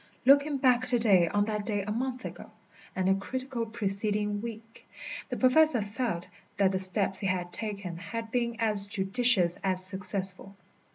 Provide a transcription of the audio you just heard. Looking back to day on that day a month ago, and the critical preceding week, the Professor felt that the steps he had taken had been as judicious as successful.